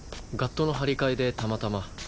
ガットの張り替えでたまたま。